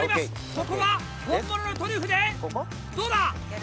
ここは本物のトリュフでどうだ？